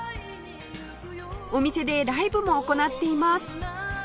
お店でライブも行っています